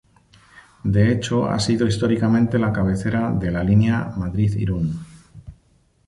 De hecho ha sido históricamente la cabecera de la línea Madrid-Irún.